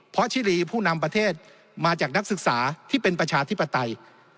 เพราะชิลีผู้นำประเทศมาจากนักศึกษาที่เป็นประชาธิปไตย